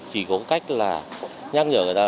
chỉ có cách là nhắc nhở người ta